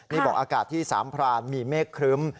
บอกว่าอากาศที่๓พรานมีเมฆครึ่ม